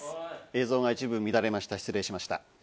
映像が一部乱れました、失礼しました。